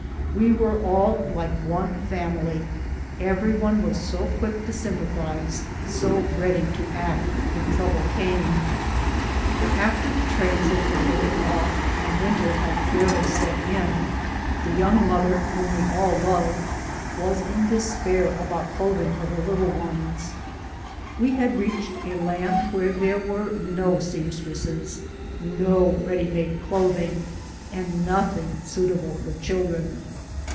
We were all like one family — every one was so quick to sympathize, so ready to act if trouble came. After the trains had been taken off, and winter had fairly set in, the young mother, whom we all loved, was in despair about clothing for her little ones. We had reached a land where there were no seamstresses, no ready made clothing, and nothing suitable for children.